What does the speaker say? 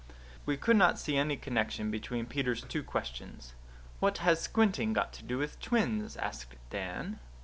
We could not see any connection between Peter's two questions. "What has squinting got to do with twins?" asked Dan.